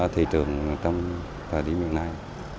thị trường trong thời điểm này